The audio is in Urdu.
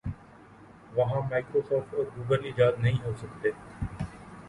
وہاں مائیکرو سافٹ اور گوگل ایجاد نہیں ہو سکتے۔